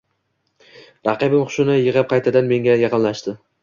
Raqibim hushini yig‘ib, qaytadan menga yaqinlashdi